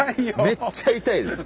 めっちゃ痛いです